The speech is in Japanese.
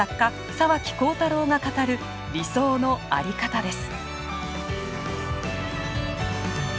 沢木耕太郎が語る理想の在り方です。